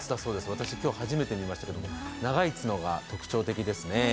私、今日初めて見ましたけれども、長い角が特徴的ですね。